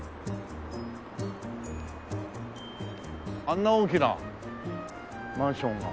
あんな大きなマンションが。